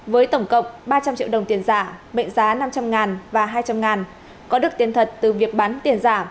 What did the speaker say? với tổng cộng ba trăm linh triệu đồng tiền giả mệnh giá năm trăm linh và hai trăm linh có được tiền thật từ việc bán tiền giả